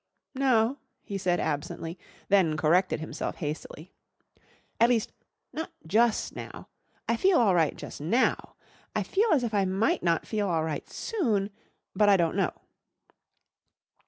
"No," he said absently, then corrected himself hastily. "At least, not jus' now. I feel all right jus' now. I feel as if I might not feel all right soon, but I don't know."